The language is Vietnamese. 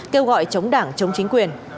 kêu gọi chống đảng chống chính quyền